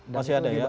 masih ada ya